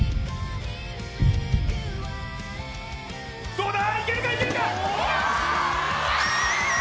どうだ？